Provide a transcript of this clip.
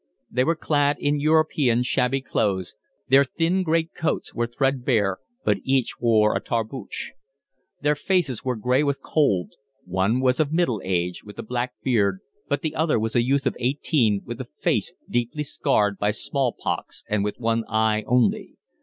They were clad in European, shabby clothes, their thin great coats were threadbare, but each wore a tarbouch. Their faces were gray with cold. One was of middle age, with a black beard, but the other was a youth of eighteen, with a face deeply scarred by smallpox and with one eye only.